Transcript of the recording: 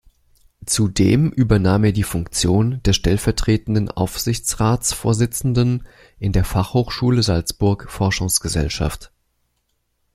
Zudem übernahm er die Funktion des stellvertretenden Aufsichtsratsvorsitzenden in der Fachhochschule Salzburg Forschungsgesellschaft.